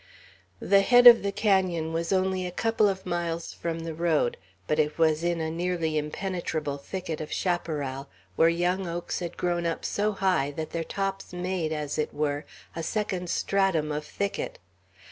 The head of the canon was only a couple of miles from the road; but it was in a nearly impenetrable thicket of chaparral, where young oaks had grown up so high that their tops made, as it were, a second stratum of thicket.